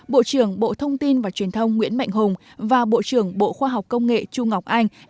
bộ trưởng bộ thông tin và truyền thông nguyễn mạnh hùng và bộ trưởng bộ khoa học công nghệ chu ngọc anh